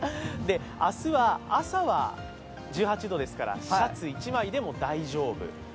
明日は朝は１８度ですからシャツ１枚でも大丈夫。